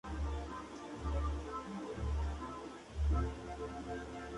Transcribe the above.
Muchos aminoácidos llevan grupos funcionales en la cadena lateral.